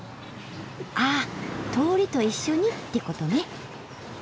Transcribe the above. ああ通りと一緒にってことね。